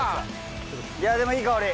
いや、でもいい香り。